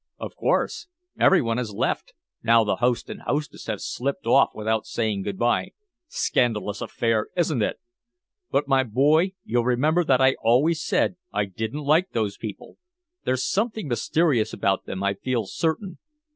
"Of course. Everyone has left, now the host and hostess have slipped off without saying good bye. Scandalous affair, isn't it? But, my boy, you'll remember that I always said I didn't like those people. There's something mysterious about them, I feel certain.